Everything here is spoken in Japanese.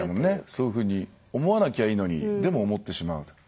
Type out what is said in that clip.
そういうふうに思わなきゃいいのにでも、思ってしまう。